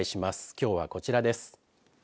きょうは、こちらです。